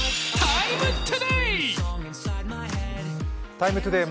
「ＴＩＭＥ，ＴＯＤＡＹ」